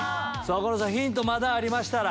岡村さんヒントまだありましたら。